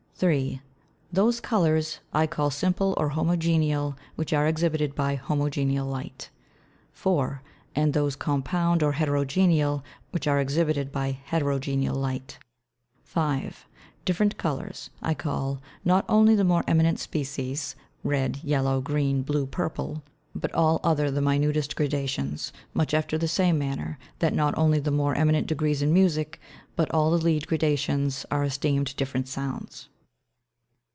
3. Those Colours I call Simple or Homogeneal, which are exhibited by Homogeneal Light. 4. And those Compound or Heterogeneal, which are exhibited by Heterogeneal Light. 5. Different Colours, I call, not only the more eminent Species, Red, Yellow, Green, Blue, Purple, but all other the minutest Gradations; much after the same manner, that not only the more eminent Degrees in Musick, but all the lead Gradations, are esteem'd different Sounds.